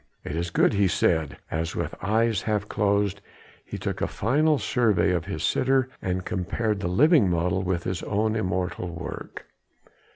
"It is good," he said, as with eyes half closed he took a final survey of his sitter and compared the living model with his own immortal work.